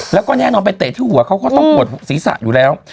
แล้วก็แน่นอนไปเตะที่หัวเขาก็ต้องปวดศีรษะอยู่แล้ว